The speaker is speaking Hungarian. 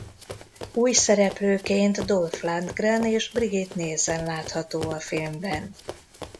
Új szereplőként Dolph Lundgren és Brigitte Nielsen látható a filmben.